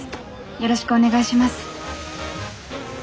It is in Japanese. よろしくお願いします」。